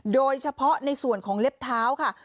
โดยเฉพาะในส่วนของเล็บเท้าค่ะ